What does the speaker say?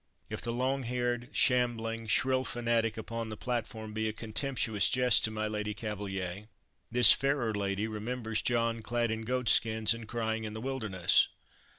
If the long haired, shambling, shrill fanatic upon the platform be a contemptuous jest to my Lady Cavaliere, this fairer lady remembers John clad in goat skins and crying in the wilderness.